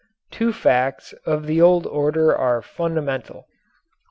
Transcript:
Two facts of the old order are fundamental.